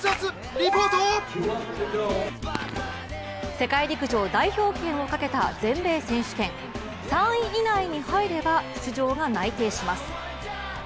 世界陸上代表権をかけた全米選手権、３位以内に入れば出場が内定します。